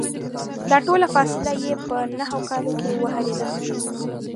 دا ټوله فاصله یې په نهو کالو کې وهلې ده.